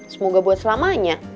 semoga buat selamanya